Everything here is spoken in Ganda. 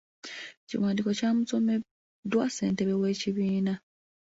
Ekiwandiiko kyamusomeddwa ssentebe w’ekibiina.